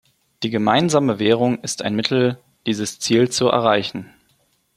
Die gemeinsame Währung ist ein Mittel, dieses Ziel zu erreichen.